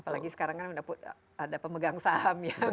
apalagi sekarang kan ada pemegang saham ya